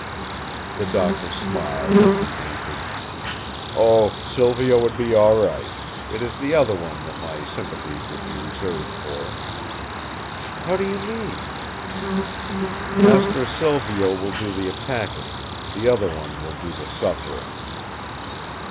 The Doctor smiled as he answered: "Oh, Silvio would be all right: it is the other one that my sympathies would be reserved for." "How do you mean?" "Master Silvio will do the attacking; the other one will do the suffering."